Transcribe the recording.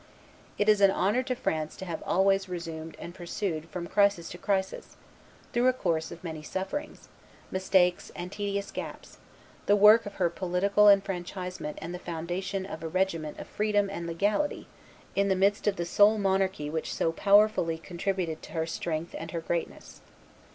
It is an honor to France to have always resumed and pursued from crisis to crisis, through a course of many sufferings, mistakes, and tedious gaps, the work of her political enfranchisement and the foundation of a regimen of freedom and legality in the midst of the sole monarchy which so powerfully contributed to her strength and her greatness.